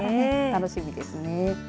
楽しみですね。